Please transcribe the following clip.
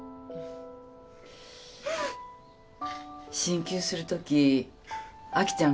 進級するときアキちゃん